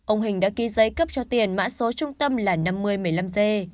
ông hình đã ký giấy cấp cho tiền mã số trung tâm là năm mươi một mươi năm g